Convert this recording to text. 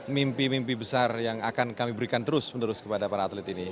mimpi mimpi besar yang akan kami berikan terus menerus kepada para atlet ini